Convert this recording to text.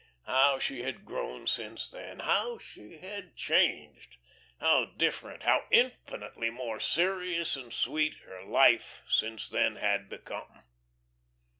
How she had grown since then! How she had changed! How different, how infinitely more serious and sweet her life since then had become!